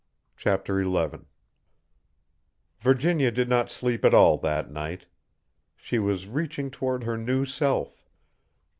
Chapter Eleven Virginia did not sleep at all that night. She was reaching toward her new self.